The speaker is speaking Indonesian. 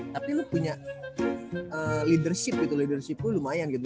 tapi lu punya leadership itu leadership lu lumayan gitu